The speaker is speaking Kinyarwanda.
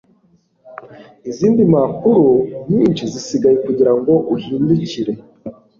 izindi mpapuro nyinshi zisigaye kugirango uhindukire